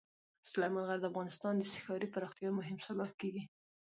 سلیمان غر د افغانستان د ښاري پراختیا یو مهم سبب کېږي.